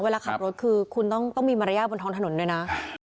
เวลาขับรถคือคุณต้องมีมารยาทบนท้องถนนด้วยนะ